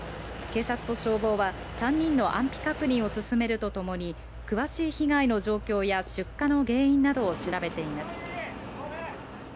警察と消防は、３人の安否確認を進めるとともに、詳しい被害の状況や、出火の原因などを調べています。